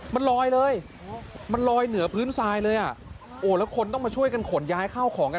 มันลอยเลยมันลอยเหนือพื้นทรายเลยอ่ะโอ้แล้วคนต้องมาช่วยกันขนย้ายเข้าของกัน